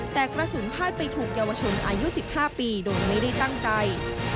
แต่กระสุนพาดไปถูกเยาวชนอายุ๑๕ปีโดยไม่ได้ตั้งใจ